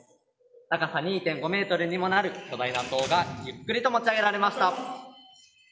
高さ２．５ｍにもなる巨大な塔がゆっくりと持ち上げられました。